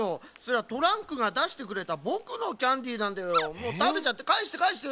もうたべちゃってかえしてかえして。